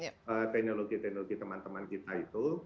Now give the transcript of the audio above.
karena teknologi teknologi teman teman kita itu